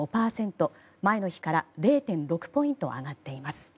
前の日から０．６ポイント上がっています。